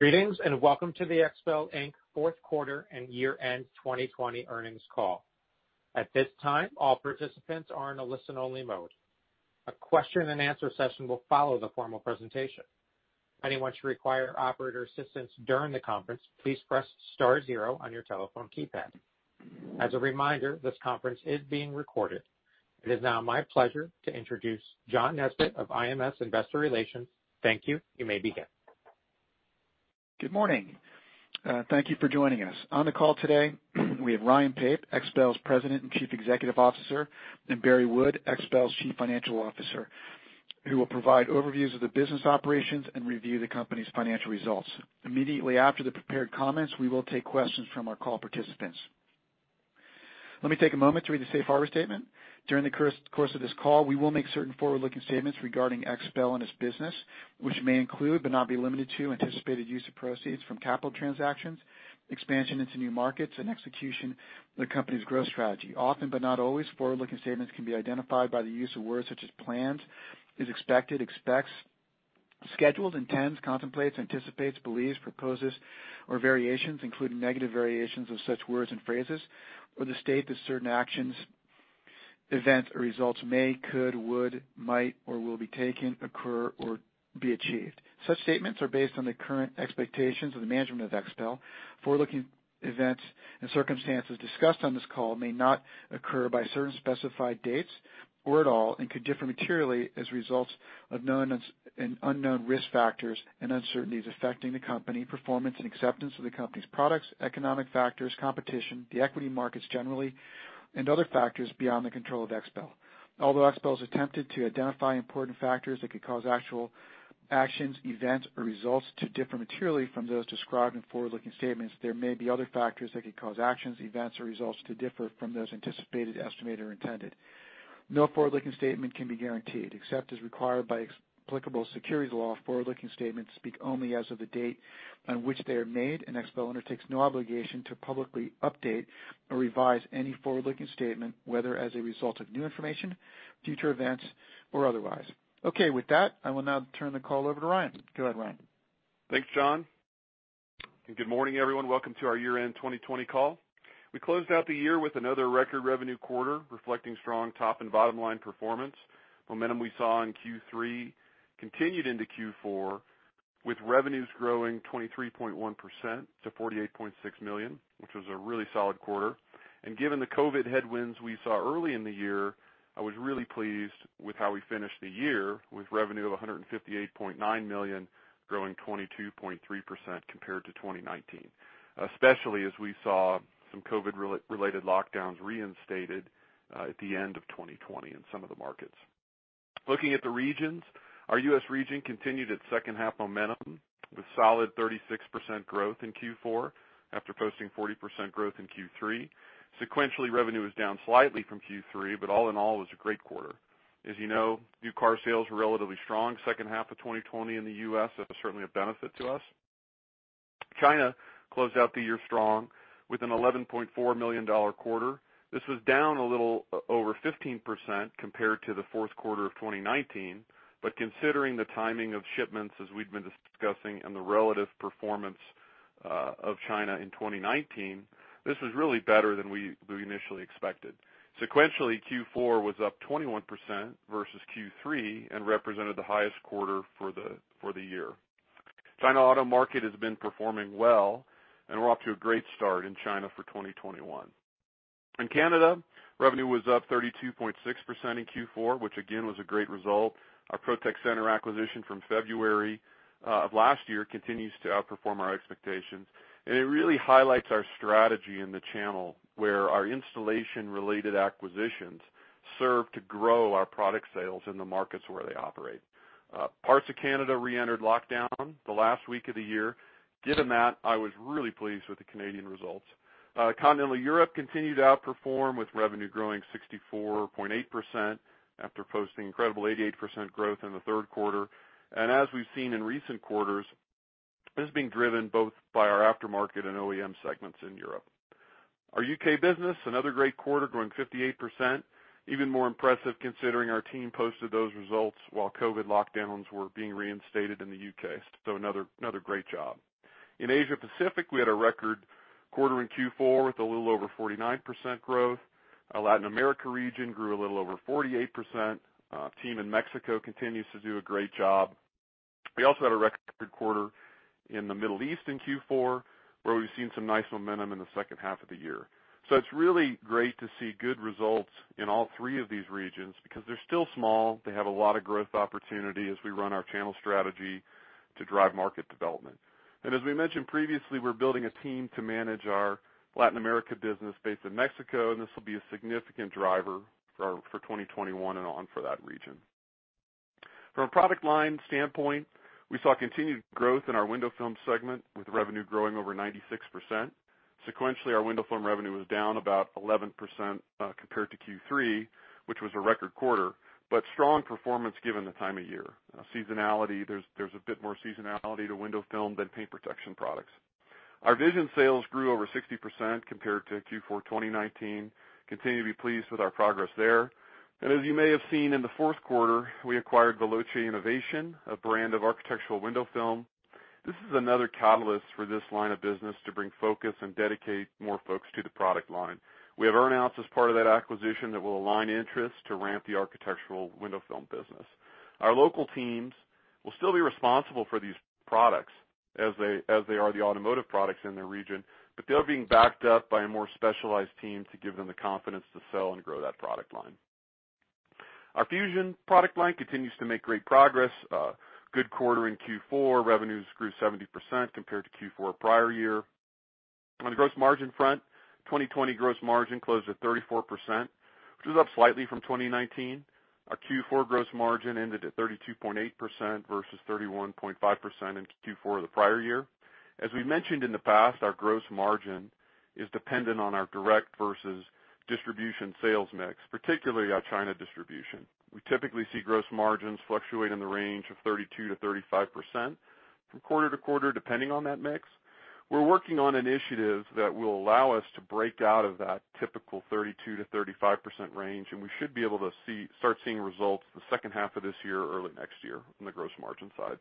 Greetings, and welcome to the XPEL, Inc. fourth quarter and year-end 2020 earnings call. At this time, all participants are in a listen-only mode. A question and answer session will follow the formal presentation. Anyone should require operator assistance during the conference, please press star zero on your telephone keypad. As a reminder, this conference is being recorded. It is now my pleasure to introduce John Nesbett of IMS Investor Relations. Thank you. You may begin. Good morning. Thank you for joining us. On the call today, we have Ryan Pape, XPEL's President and Chief Executive Officer, and Barry Wood, XPEL's Chief Financial Officer, who will provide overviews of the business operations and review the company's financial results. Immediately after the prepared comments, we will take questions from our call participants. Let me take a moment to read the safe harbor statement. During the course of this call, we will make certain forward-looking statements regarding XPEL and its business, which may include, but not be limited to anticipated use of proceeds from capital transactions, expansion into new markets, and execution of the company's growth strategy. Often, but not always, forward-looking statements can be identified by the use of words such as plans, is expected, expects, scheduled, intends, contemplates, anticipates, believes, proposes, or variations, including negative variations of such words and phrases, or the state that certain actions, events, or results may, could, would, might, or will be taken, occur, or be achieved. Such statements are based on the current expectations of the management of XPEL. Forward-looking events and circumstances discussed on this call may not occur by certain specified dates or at all and could differ materially as results of known and unknown risk factors and uncertainties affecting the company, performance and acceptance of the company's products, economic factors, competition, the equity markets generally, and other factors beyond the control of XPEL. Although XPEL has attempted to identify important factors that could cause actual actions, events, or results to differ materially from those described in forward-looking statements, there may be other factors that could cause actions, events, or results to differ from those anticipated, estimated, or intended. No forward-looking statement can be guaranteed, except as required by applicable securities law. Forward-looking statements speak only as of the date on which they are made, and XPEL undertakes no obligation to publicly update or revise any forward-looking statement, whether as a result of new information, future events, or otherwise. Okay. With that, I will now turn the call over to Ryan. Go ahead, Ryan. Thanks, John. Good morning, everyone. Welcome to our year-end 2020 call. We closed out the year with another record revenue quarter reflecting strong top and bottom line performance. Momentum we saw in Q3 continued into Q4 with revenues growing 23.1% to $48.6 million, which was a really solid quarter. Given the COVID headwinds we saw early in the year, I was really pleased with how we finished the year with revenue of $158.9 million, growing 22.3% compared to 2019, especially as we saw some COVID-related lockdowns reinstated at the end of 2020 in some of the markets. Looking at the regions, our U.S. region continued its second half momentum with solid 36% growth in Q4 after posting 40% growth in Q3. Sequentially, revenue was down slightly from Q3, but all in all, it was a great quarter. As you know, new car sales were relatively strong second half of 2020 in the U.S. That was certainly a benefit to us. China closed out the year strong with an $11.4 million quarter. This was down a little over 15% compared to the fourth quarter of 2019. Considering the timing of shipments as we've been discussing and the relative performance of China in 2019, this was really better than we initially expected. Sequentially, Q4 was up 21% versus Q3 and represented the highest quarter for the year. China auto market has been performing well, and we're off to a great start in China for 2021. In Canada, revenue was up 32.6% in Q4, which again, was a great result. Our Protex Centre acquisition from February of last year continues to outperform our expectations. It really highlights our strategy in the channel where our installation related acquisitions serve to grow our product sales in the markets where they operate. Parts of Canada reentered lockdown the last week of the year. Given that, I was really pleased with the Canadian results. Continental Europe continued to outperform with revenue growing 64.8% after posting incredible 88% growth in the third quarter. As we've seen in recent quarters, this is being driven both by our aftermarket and OEM segments in Europe. Our U.K. business, another great quarter, growing 58%. Even more impressive considering our team posted those results while COVID lockdowns were being reinstated in the U.K. Another great job. In Asia Pacific, we had a record quarter in Q4 with a little over 49% growth. Our Latin America region grew a little over 48%. Team in Mexico continues to do a great job. We also had a record quarter in the Middle East in Q4, where we've seen some nice momentum in the second half of the year. It's really great to see good results in all three of these regions because they're still small. They have a lot of growth opportunity as we run our channel strategy to drive market development. As we mentioned previously, we're building a team to manage our Latin America business based in Mexico, and this will be a significant driver for 2021 and on for that region. From a product line standpoint, we saw continued growth in our window film segment with revenue growing over 96%. Sequentially, our window film revenue was down about 11% compared to Q3, which was a record quarter, but strong performance given the time of year. Seasonality, there's a bit more seasonality to window film than paint protection products. Our VISION sales grew over 60% compared to Q4 2019. Continue to be pleased with our progress there. As you may have seen in the fourth quarter, we acquired Veloce Innovation, a brand of architectural window film. This is another catalyst for this line of business to bring focus and dedicate more folks to the product line. We have earn-outs as part of that acquisition that will align interest to ramp the architectural window film business. Our local teams will still be responsible for these products as they are the automotive products in their region, but they're being backed up by a more specialized team to give them the confidence to sell and grow that product line. Our FUSION product line continues to make great progress. Good quarter in Q4. Revenues grew 70% compared to Q4 prior year. On the gross margin front, 2020 gross margin closed at 34%, which is up slightly from 2019. Our Q4 gross margin ended at 32.8% versus 31.5% in Q4 of the prior year. As we mentioned in the past, our gross margin is dependent on our direct versus distribution sales mix, particularly our China distribution. We typically see gross margins fluctuate in the range of 32%-35% from quarter to quarter, depending on that mix. We're working on initiatives that will allow us to break out of that typical 32%-35% range, and we should be able to start seeing results the second half of this year or early next year on the gross margin side.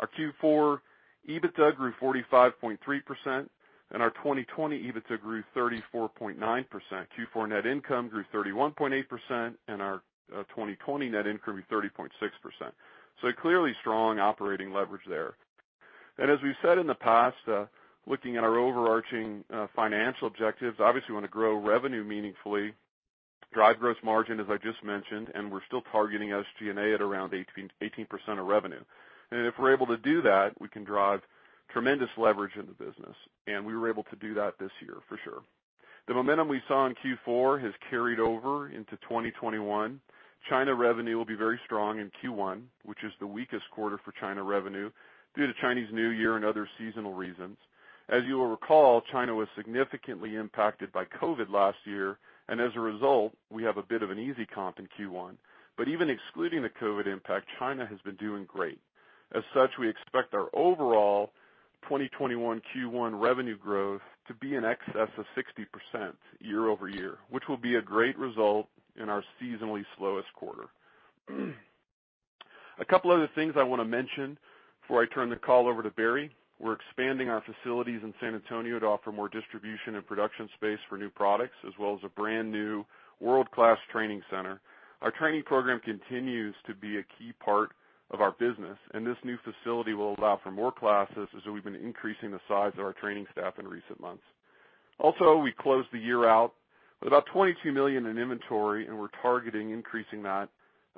Our Q4 EBITDA grew 45.3%, and our 2020 EBITDA grew 34.9%. Q4 net income grew 31.8%, and our 2020 net income grew 30.6%. Clearly strong operating leverage there. As we've said in the past, looking at our overarching financial objectives, obviously we wanna grow revenue meaningfully, drive gross margin, as I just mentioned, and we're still targeting SG&A at around 18% of revenue. If we're able to do that, we can drive tremendous leverage in the business, and we were able to do that this year for sure. The momentum we saw in Q4 has carried over into 2021. China revenue will be very strong in Q1, which is the weakest quarter for China revenue due to Chinese New Year and other seasonal reasons. As you will recall, China was significantly impacted by COVID last year, and as a result, we have a bit of an easy comp in Q1. Even excluding the COVID impact, China has been doing great. As such, we expect our overall 2021 Q1 revenue growth to be in excess of 60% year-over-year, which will be a great result in our seasonally slowest quarter. A couple other things I wanna mention before I turn the call over to Barry. We're expanding our facilities in San Antonio to offer more distribution and production space for new products as well as a brand-new world-class training center. Our training program continues to be a key part of our business, and this new facility will allow for more classes as we've been increasing the size of our training staff in recent months. We closed the year out with about $22 million in inventory, and we're targeting increasing that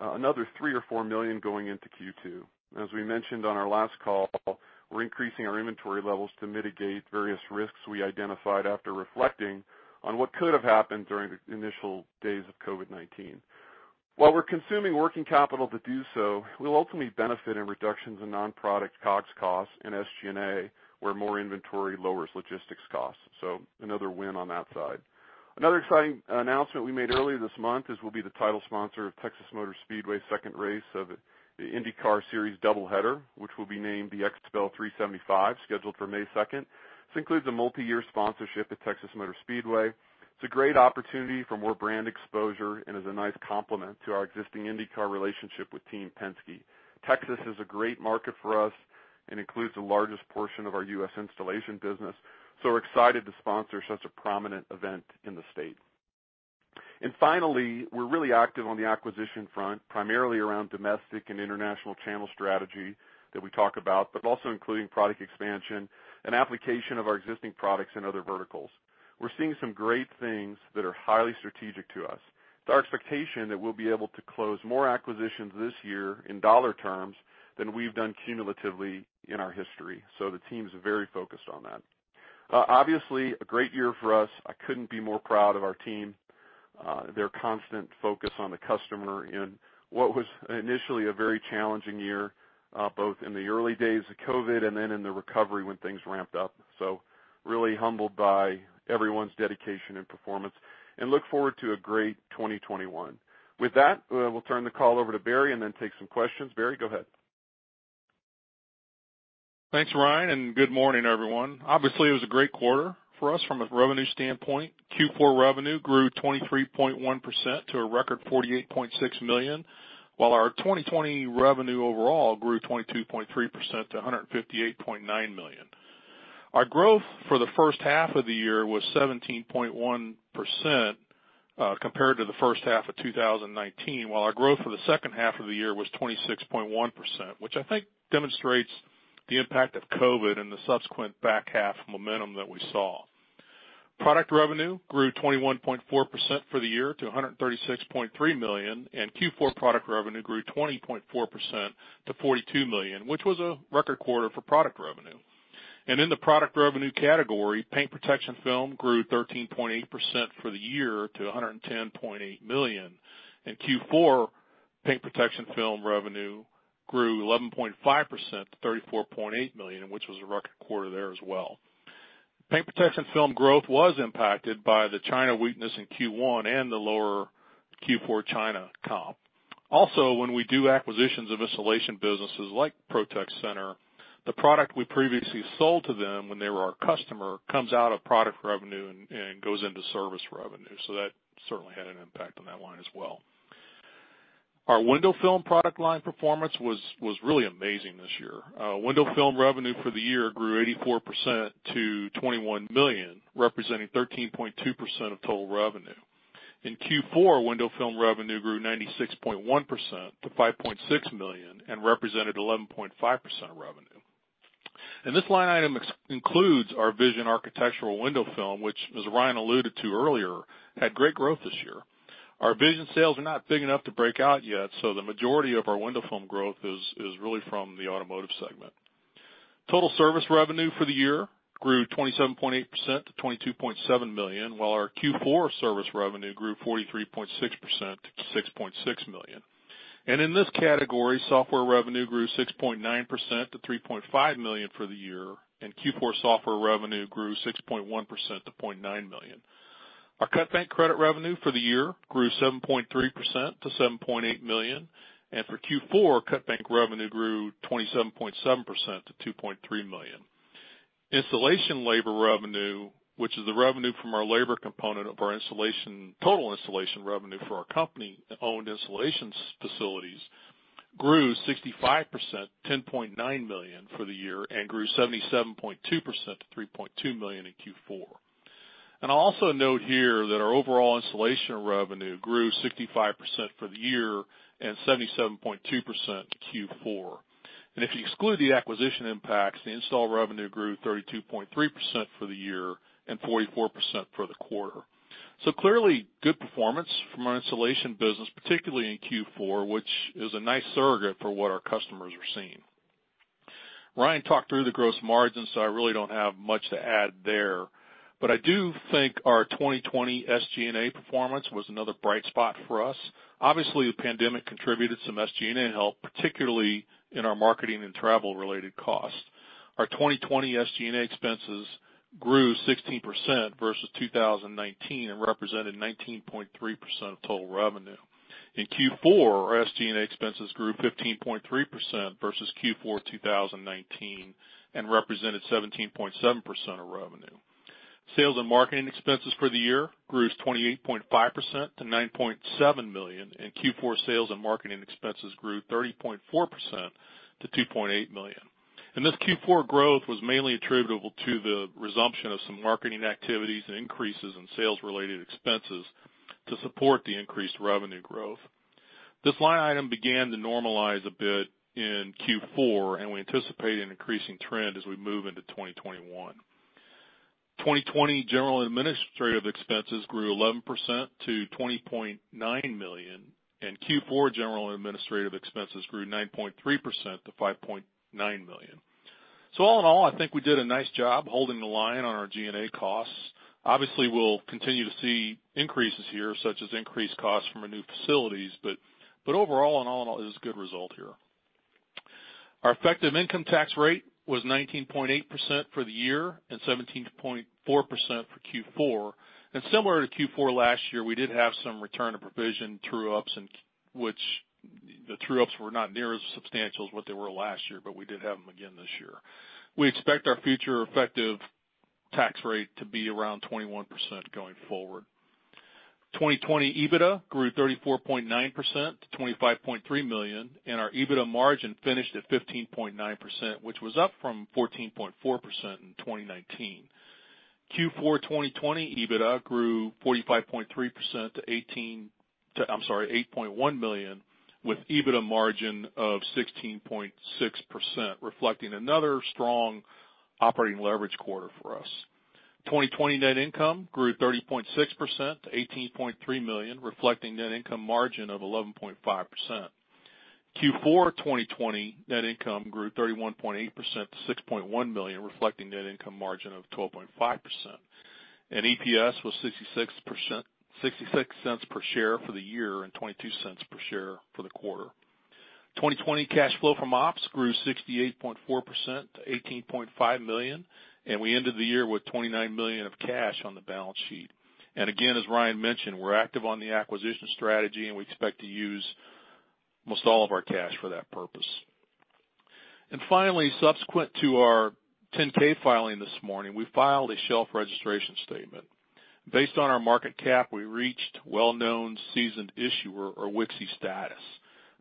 another $3 or $4 million going into Q2. As we mentioned on our last call, we're increasing our inventory levels to mitigate various risks we identified after reflecting on what could have happened during the initial days of COVID-19. While we're consuming working capital to do so, we'll ultimately benefit in reductions in non-product COGS costs and SG&A, where more inventory lowers logistics costs. Another win on that side. Another exciting announcement we made earlier this month is we'll be the title sponsor of Texas Motor Speedway second race of the IndyCar Series doubleheader, which will be named the XPEL 375, scheduled for May second. This includes a multiyear sponsorship at Texas Motor Speedway. It's a great opportunity for more brand exposure and is a nice complement to our existing IndyCar relationship with Team Penske. Texas is a great market for us and includes the largest portion of our U.S. installation business, so we're excited to sponsor such a prominent event in the state. Finally, we're really active on the acquisition front, primarily around domestic and international channel strategy that we talk about, but also including product expansion and application of our existing products in other verticals. We're seeing some great things that are highly strategic to us. It's our expectation that we'll be able to close more acquisitions this year in dollar terms than we've done cumulatively in our history. The team's very focused on that. Obviously a great year for us. I couldn't be more proud of our team, their constant focus on the customer in what was initially a very challenging year, both in the early days of COVID and then in the recovery when things ramped up. Really humbled by everyone's dedication and performance and look forward to a great 2021. With that, we'll turn the call over to Barry and then take some questions. Barry, go ahead. Thanks, Ryan, and good morning, everyone. Obviously, it was a great quarter for us from a revenue standpoint. Q4 revenue grew 23.1% to a record $48.6 million, while our 2020 revenue overall grew 22.3% to $158.9 million. Our growth for the first half of the year was 17.1% compared to the first half of 2019, while our growth for the second half of the year was 26.1%, which I think demonstrates the impact of COVID and the subsequent back half momentum that we saw. Product revenue grew 21.4% for the year to $136.3 million, and Q4 product revenue grew 20.4% to $42 million, which was a record quarter for product revenue. In the product revenue category, paint protection film grew 13.8% for the year to $110.8 million. In Q4, paint protection film revenue grew 11.5% to $34.8 million, which was a record quarter there as well. Paint protection film growth was impacted by the China weakness in Q1 and the lower Q4 China comp. When we do acquisitions of installation businesses like Protex Centre, the product we previously sold to them when they were our customer comes out of product revenue and goes into service revenue. That certainly had an impact on that one as well. Our window film product line performance was really amazing this year. Window film revenue for the year grew 84% to $21 million, representing 13.2% of total revenue. In Q4, window film revenue grew 96.1% to $5.6 million and represented 11.5% of revenue. This line item ex-includes our VISION architectural window film, which as Ryan alluded to earlier, had great growth this year. Our VISION sales are not big enough to break out yet, so the majority of our window film growth is really from the automotive segment. Total service revenue for the year grew 27.8% to $22.7 million, while our Q4 service revenue grew 43.6% to $6.6 million. In this category, software revenue grew 6.9% to $3.5 million for the year, and Q4 software revenue grew 6.1% to $0.9 million. Our cutbank credit revenue for the year grew 7.3% to $7.8 million. For Q4, cutbank revenue grew 27.7% to $2.3 million. Installation labor revenue, which is the revenue from our labor component of our installation, total installation revenue for our company-owned installations facilities grew 65%, $10.9 million for the year and grew 77.2% to $3.2 million in Q4. I'll also note here that our overall installation revenue grew 65% for the year and 77.2% in Q4. If you exclude the acquisition impacts, the install revenue grew 32.3% for the year and 44% for the quarter. Clearly, good performance from our installation business, particularly in Q4, which is a nice surrogate for what our customers are seeing. Ryan talked through the gross margin. I really don't have much to add there. I do think our 2020 SG&A performance was another bright spot for us. Obviously, the pandemic contributed some SG&A help, particularly in our marketing and travel-related costs. Our 2020 SG&A expenses grew 16% versus 2019 and represented 19.3% of total revenue. In Q4, our SG&A expenses grew 15.3% versus Q4 2019 and represented 17.7% of revenue. Sales and marketing expenses for the year grew 28.5% to $9.7 million, and Q4 sales and marketing expenses grew 30.4% to $2.8 million. This Q4 growth was mainly attributable to the resumption of some marketing activities and increases in sales-related expenses to support the increased revenue growth. This line item began to normalize a bit in Q4, and we anticipate an increasing trend as we move into 2021. 2020 general and administrative expenses grew 11% to $20.9 million, and Q4 general and administrative expenses grew 9.3% to $5.9 million. All in all, I think we did a nice job holding the line on our G&A costs. Obviously, we'll continue to see increases here, such as increased costs from our new facilities, but overall in all, it is a good result here. Our effective income tax rate was 19.8% for the year and 17.4% for Q4. Similar to Q4 last year, we did have some return to provision true-ups, which the true-ups were not nearly as substantial as what they were last year, but we did have them again this year. We expect our future effective tax rate to be around 21% going forward. 2020 EBITDA grew 34.9% to $25.3 million, and our EBITDA margin finished at 15.9%, which was up from 14.4% in 2019. Q4 2020 EBITDA grew 45.3% to $8.1 million, with EBITDA margin of 16.6%, reflecting another strong operating leverage quarter for us. 2020 net income grew 30.6% to $18.3 million, reflecting net income margin of 11.5%. Q4 2020 net income grew 31.8% to $6.1 million, reflecting net income margin of 12.5%. EPS was $0.66 per share for the year and $0.22 per share for the quarter. 2020 cash flow from ops grew 68.4% to $18.5 million, and we ended the year with $29 million of cash on the balance sheet. Again, as Ryan mentioned, we're active on the acquisition strategy, and we expect to use most all of our cash for that purpose. Finally, subsequent to our 10-K filing this morning, we filed a shelf registration statement. Based on our market cap, we reached well-known seasoned issuer or WKSI status.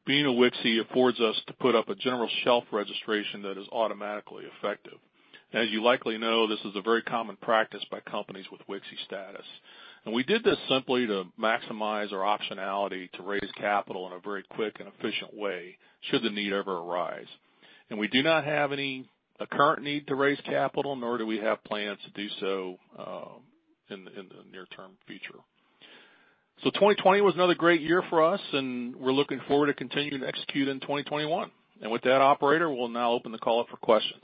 Being a WKSI affords us to put up a general shelf registration that is automatically effective. As you likely know, this is a very common practice by companies with WKSI status. We did this simply to maximize our optionality to raise capital in a very quick and efficient way should the need ever arise. We do not have any current need to raise capital, nor do we have plans to do so in the near-term future. 2020 was another great year for us, and we're looking forward to continuing to execute in 2021. With that, operator, we'll now open the call up for questions.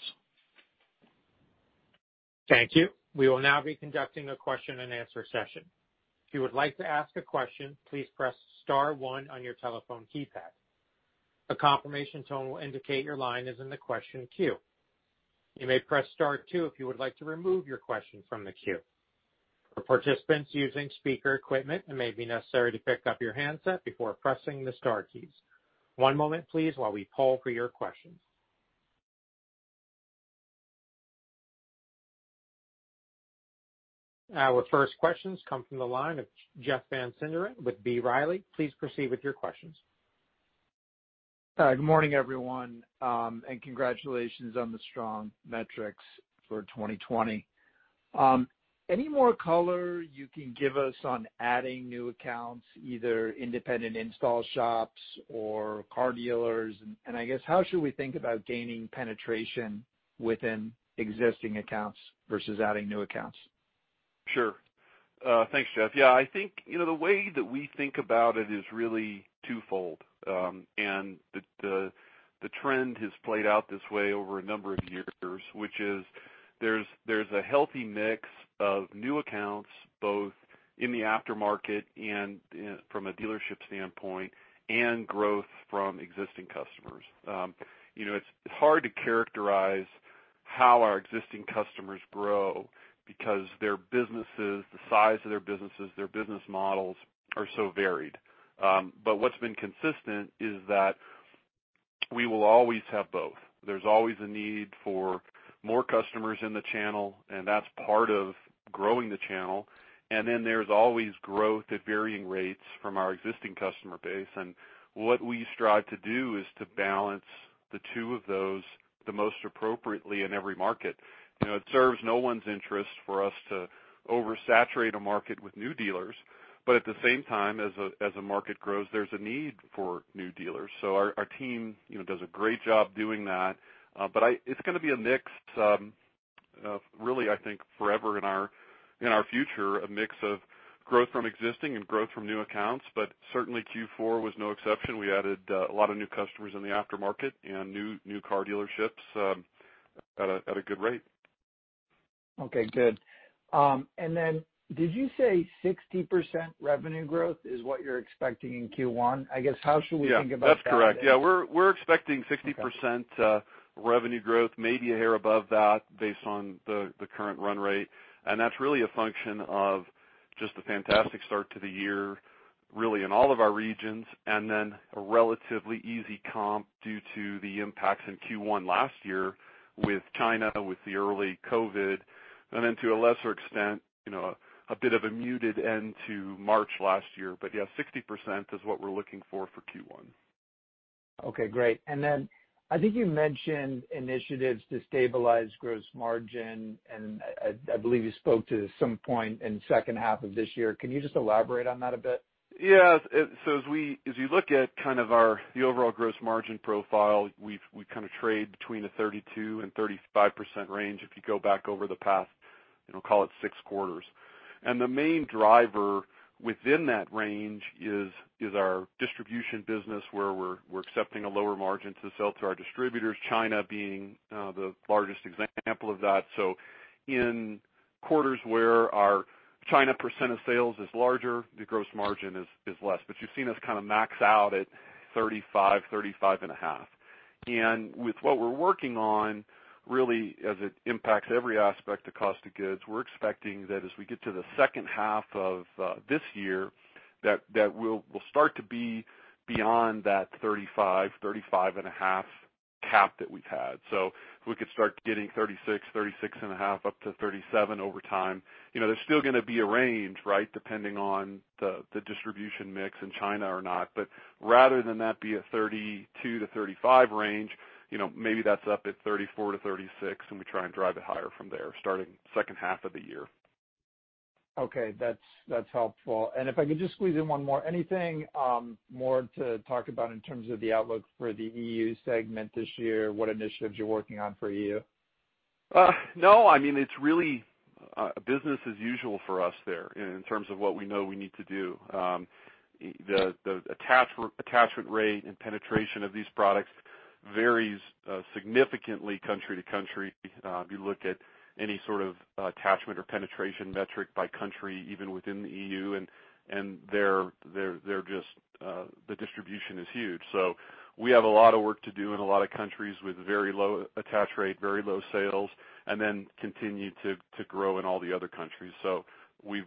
Our first questions come from the line of Jeff Van Sinderen with B. Riley. Please proceed with your questions. Good morning, everyone, and congratulations on the strong metrics for 2020. Any more color you can give us on adding new accounts, either independent install shops or car dealers? I guess, how should we think about gaining penetration within existing accounts versus adding new accounts? Sure. Thanks, Jeff. Yeah, I think, you know, the way that we think about it is really twofold. The trend has played out this way over a number of years, which is there's a healthy mix of new accounts, both in the aftermarket and from a dealership standpoint, and growth from existing customers. You know, it's hard to characterize how our existing customers grow because their businesses, the size of their businesses, their business models are so varied. But what's been consistent is that we will always have both. There's always a need for more customers in the channel, and that's part of growing the channel. Then there's always growth at varying rates from our existing customer base. What we strive to do is to balance the two of those the most appropriately in every market. You know, it serves no one's interest for us to oversaturate a market with new dealers. At the same time, as a market grows, there's a need for new dealers. Our team, you know, does a great job doing that. It's gonna be a mix, really, I think, forever in our future, a mix of growth from existing and growth from new accounts. Certainly Q4 was no exception. We added a lot of new customers in the aftermarket and new car dealerships at a good rate. Okay, good. Did you say 60% revenue growth is what you're expecting in Q1? I guess, how should we think about that? Yeah, that's correct. Yeah, we're expecting 60% revenue growth, maybe a hair above that based on the current run rate. That's really a function of just a fantastic start to the year, really in all of our regions, and then a relatively easy comp due to the impacts in Q1 last year with China, with the early COVID, and then to a lesser extent, you know, a bit of a muted end to March last year. Yeah, 60% is what we're looking for for Q1. Okay, great. I think you mentioned initiatives to stabilize gross margin, I believe you spoke to some point in second half of this year. Can you just elaborate on that a bit? Yeah. As you look at kind of our, the overall gross margin profile, we kind of trade between the 32%-35% range if you go back over the past, you know, call it six quarters. The main driver within that range is our distribution business, where we're accepting a lower margin to sell to our distributors, China being the largest example of that. In quarters where our China percent of sales is larger, the gross margin is less. You've seen us kind of max out at 35%, 35.5%. With what we're working on, really, as it impacts every aspect of cost of goods, we're expecting that as we get to the second half of the year, that we'll start to be beyond that 35%-35.5% cap that we've had. We could start getting 36%-36.5%, up to 37% over time. You know, there's still gonna be a range, right? Depending on the distribution mix in China or not. Rather than that be a 32%-35% range, you know, maybe that's up at 34%-36%, and we try and drive it higher from there, starting second half of the year. Okay. That's helpful. If I could just squeeze in one more. Anything more to talk about in terms of the outlook for the EU segment this year? What initiatives you're working on for EU? No. I mean, it's really business as usual for us there in terms of what we know we need to do. The attachment rate and penetration of these products varies significantly country to country. If you look at any sort of attachment or penetration metric by country, even within the EU, and they're just the distribution is huge. We have a lot of work to do in a lot of countries with very low attach rate, very low sales, and then continue to grow in all the other countries.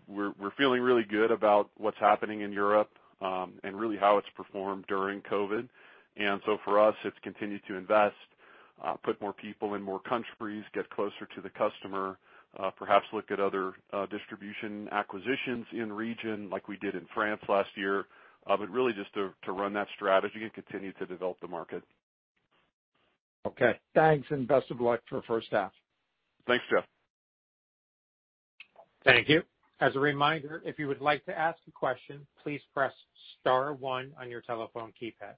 We're feeling really good about what's happening in Europe, and really how it's performed during COVID. For us, it's continue to invest, put more people in more countries, get closer to the customer, perhaps look at other distribution acquisitions in region like we did in France last year. Really just to run that strategy and continue to develop the market. Okay. Thanks, best of luck for first half. Thanks, Jeff. Thank you. As a reminder, if you would like to ask a question, please press star one on your telephone keypad.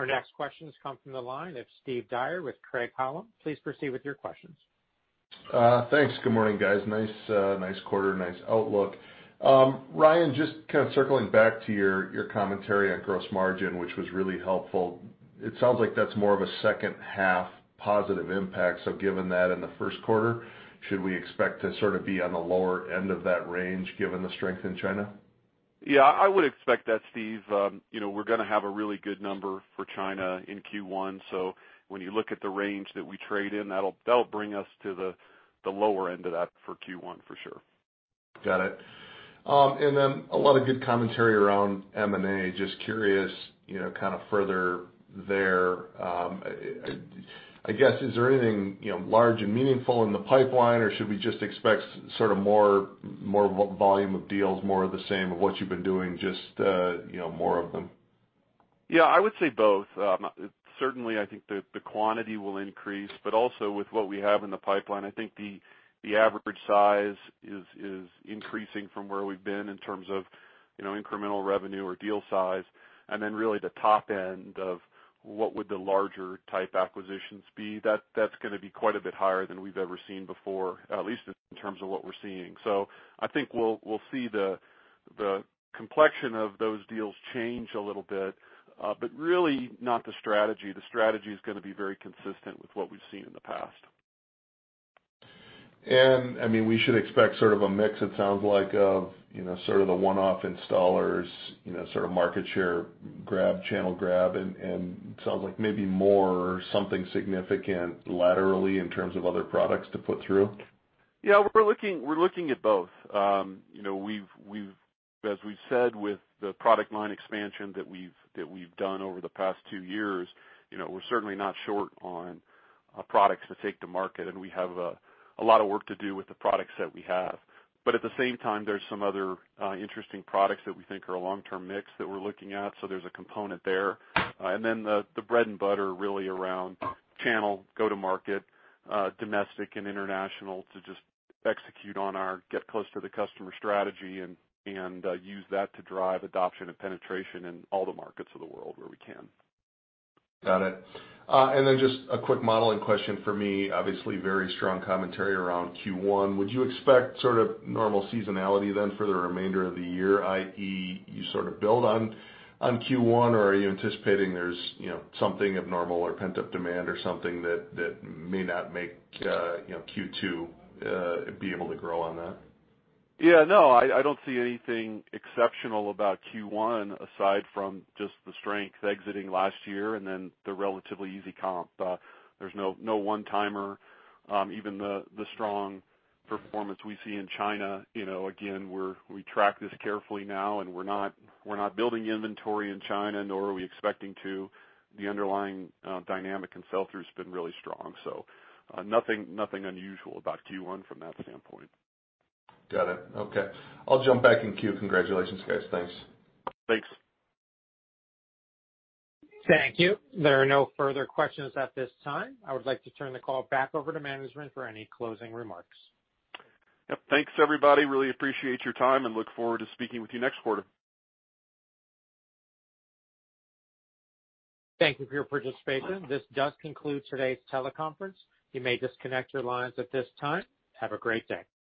Our next questions come from the line of Steve Dyer with Craig-Hallum. Please proceed with your questions. Thanks. Good morning, guys. Nice, nice quarter, nice outlook. Ryan, just kind of circling back to your commentary on gross margin, which was really helpful. It sounds like that's more of a second half positive impact, so given that in the first quarter, should we expect to sort of be on the lower end of that range given the strength in China? Yeah, I would expect that, Steve. you know, we're gonna have a really good number for China in Q1. When you look at the range that we trade in, that'll bring us to the lower end of that for Q1 for sure. Got it. A lot of good commentary around M&A. Just curious, kind of further there, I guess, is there anything large and meaningful in the pipeline, or should we just expect sort of more, more volume of deals, more of the same of what you've been doing, just more of them? Yeah, I would say both. Certainly, I think the quantity will increase, but also with what we have in the pipeline, I think the average size is increasing from where we've been in terms of, you know, incremental revenue or deal size. Really the top end of what would the larger type acquisitions be, that's gonna be quite a bit higher than we've ever seen before, at least in terms of what we're seeing. I think we'll see the complexion of those deals change a little bit, but really not the strategy. The strategy is gonna be very consistent with what we've seen in the past. I mean, we should expect sort of a mix, it sounds like of, you know, sort of the one-off installers, you know, sort of market share grab, channel grab, and sounds like maybe more something significant laterally in terms of other products to put through? We're looking at both. You know, we've as we've said with the product line expansion that we've done over the past two years, you know, we're certainly not short on products to take to market, and we have a lot of work to do with the products that we have. At the same time, there's some other interesting products that we think are a long-term mix that we're looking at, so there's a component there. The bread and butter really around channel go to market, domestic and international to just execute on our get close to the customer strategy and use that to drive adoption and penetration in all the markets of the world where we can. Got it. Just a quick modeling question for me. Obviously, very strong commentary around Q1. Would you expect sort of normal seasonality then for the remainder of the year, i.e., you sort of build on Q1, or are you anticipating there's something abnormal or pent-up demand or something that may not make Q2 be able to grow on that? No, I don't see anything exceptional about Q1 aside from just the strength exiting last year and then the relatively easy comp. There's no one-timer. Even the strong performance we see in China, you know, again, we track this carefully now, and we're not building inventory in China, nor are we expecting to. The underlying dynamic in sell-through has been really strong. Nothing unusual about Q1 from that standpoint. Got it. Okay. I'll jump back in queue. Congratulations, guys. Thanks. Thanks. Thank you. There are no further questions at this time. I would like to turn the call back over to management for any closing remarks. Yep, thanks, everybody. Really appreciate your time, and look forward to speaking with you next quarter. Thank you for your participation. This does conclude today's teleconference. You may disconnect your lines at this time. Have a great day.